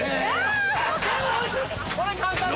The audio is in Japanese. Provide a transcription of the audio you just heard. これ簡単だ！